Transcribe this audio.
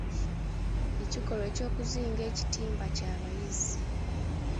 Ekikolwa eky'okuzinga ekitimba ky'abayizzi?